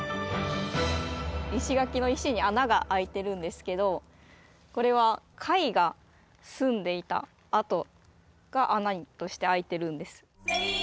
石垣の石に穴があいてるんですけどこれは貝が住んでいた跡が穴としてあいてるんです。